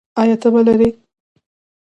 ایا تبه لرئ؟